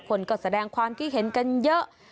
คนก็แสดงความคิดเห็นกันเยอะ